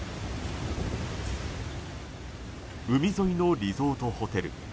海沿いのリゾートホテル。